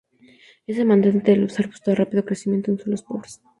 Es demandante de luz; arbusto de rápido crecimiento en suelos pobres.